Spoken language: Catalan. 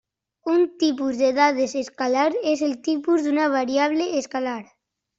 Un tipus de dades escalar és el tipus d'una variable escalar.